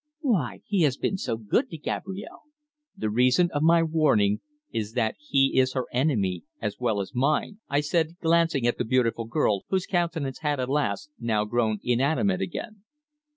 "Why? He has been so good to Gabrielle." "The reason of my warning is that he is her enemy as well as mine," I said, glancing at the beautiful girl, whose countenance had, alas! now grown inanimate again.